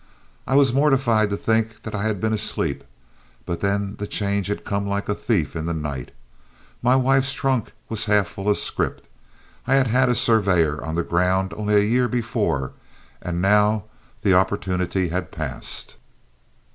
I was mortified to think that I had been asleep, but then the change had come like a thief in the night. My wife's trunk was half full of scrip, I had had a surveyor on the ground only a year before, and now the opportunity had passed.